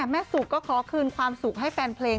สุกก็ขอคืนความสุขให้แฟนเพลง